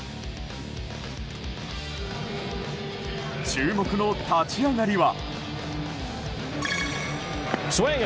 注目の立ち上がりは。